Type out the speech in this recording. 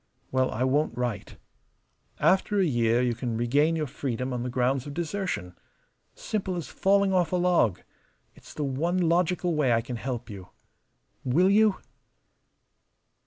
Well, I won't write. After a year you can regain your freedom on the grounds of desertion. Simple as falling off a log. It's the one logical way I can help you. Will you?"